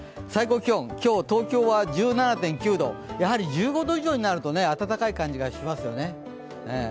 最高気温、今日、東京は１７．９度、やはり１５度以上になると暖かい感じがしますよね。